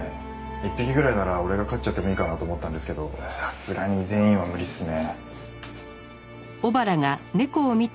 １匹ぐらいなら俺が飼っちゃってもいいかなと思ったんですけどさすがに全員は無理っすね。